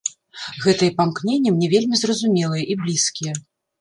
Гэтыя памкненні мне вельмі зразумелыя і блізкія.